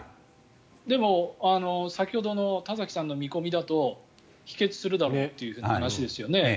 でも、先ほどの田崎さんの見込みだと否決するだろうという話ですよね。